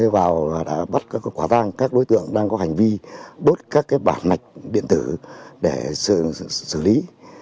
và đã bắt các đối tượng đang có hành vi đốt các bản mạch điện tử để xử lý